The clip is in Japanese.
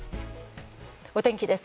お天気です。